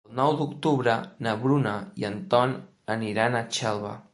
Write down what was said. El nou d'octubre na Bruna i en Ton aniran a Xelva.